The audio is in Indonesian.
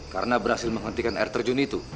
karena berhasil menghentikan air terjun itu